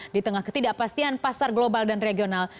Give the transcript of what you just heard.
di tengah ketidakpastian pasar global dan regional